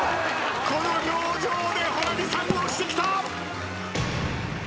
この表情で保奈美さん押してきた！